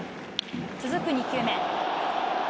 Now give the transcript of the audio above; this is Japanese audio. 続く２球目。